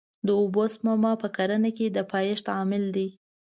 د اوبو سپما په کرنه کې د پایښت عامل دی.